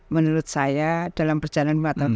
menurut saya dalam perjalanan